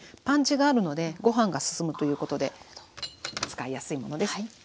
パンチがあるのでごはんが進むということで使いやすいものです。